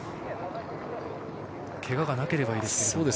けががなければいいですが。